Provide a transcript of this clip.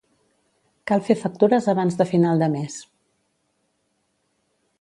Cal fer factures abans de final de mes